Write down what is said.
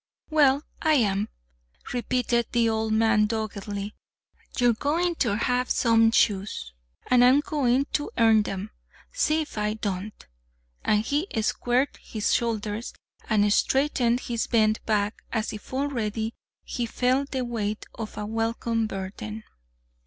"Well, I am," repeated the old man doggedly. "You're goin' ter have some shoes, an' I'm goin' ter earn 'em. See if I don't!" And he squared his shoulders, and straightened his bent back as if already he felt the weight of a welcome burden.